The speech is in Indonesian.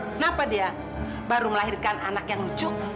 kenapa dia baru melahirkan anak yang lucu